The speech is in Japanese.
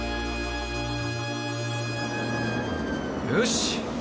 よし！